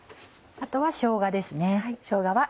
あとはしょうがですね。